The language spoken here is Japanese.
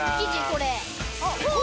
これ。